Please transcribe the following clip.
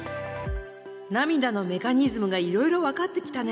涙のメカニズムがいろいろ分かってきたね。